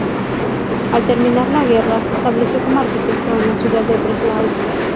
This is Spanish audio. Al terminar la guerra se estableció como arquitecto en la ciudad de Breslau.